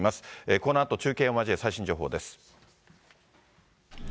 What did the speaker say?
このあと、中継を交え、最新情報です。